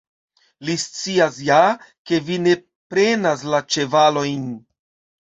Li scias ja, ke vi ne prenas la ĉevalojn.